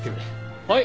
はい。